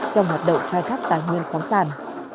trong hoạt động khai thác tài nguyên khoáng sản